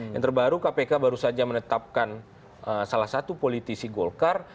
yang terbaru kpk baru saja menetapkan salah satu politisi golkar